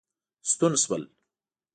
ستون شول.